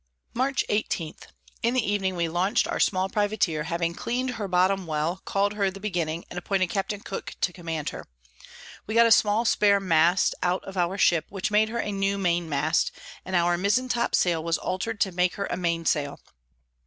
Mar. 18. In the Evening we launch'd our small Privateer, having clean'd her Bottom well, call'd her the Beginning, and appointed Capt. Cooke to command her. We got a small spare Mast out of our Ship, which made her a new Main Mast, and our Mizen top Sail was alter'd to make her a Main Sail.